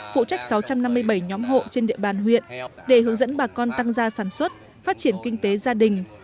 phụ trách sáu trăm năm mươi bảy nhóm hộ trên địa bàn huyện để hướng dẫn bà con tăng gia sản xuất phát triển kinh tế gia đình